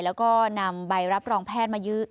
แล้วก็นำใบรับรองแพทย์